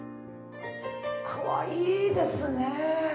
かわいいですね。